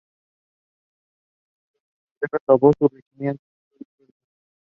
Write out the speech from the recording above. Cuando la guerra acabó, su regimiento fue disuelto.